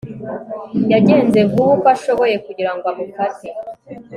yagenze vuba uko ashoboye kugira ngo amufate